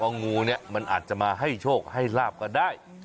ว่างูมันอาจจะมาให้โชคให้ลาบก็ได้